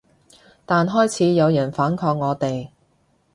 但開始有人反抗我哋